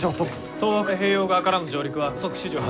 東北太平洋側からの上陸は観測史上初。